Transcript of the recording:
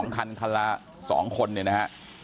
๒คันคันละ๒คนนะฮะ